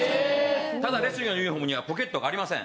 ただ、レスリングのユニフォームにはポケットがありません。